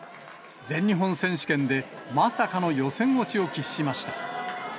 全日本選手権でまさかの予選落ちを喫しました。